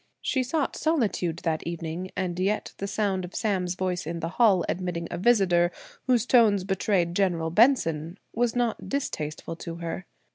She sought solitude that evening, and yet the sound of Sam's voice in the hall admitting a visitor whose tones betrayed Gen. Benson, was not distasteful to her.